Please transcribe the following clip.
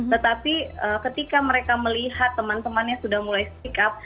tetapi ketika mereka melihat teman temannya sudah mulai speak up